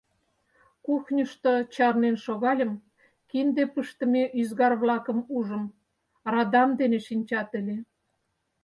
Кухньышто чарнен шогальым, кинде пыштыме ӱзгар-влакым ужым – радам дене шинчат ыле.